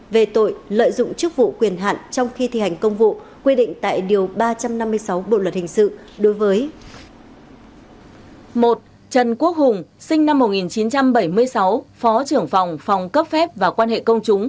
về tội lợi dụng chức vụ quyền hạn trong khi thi hành công vụ